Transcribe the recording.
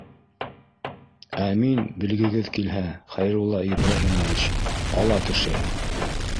Ә мин, бел гегеҙ килһә, Хәйрулла Ибраһимович, ҡала кешеһе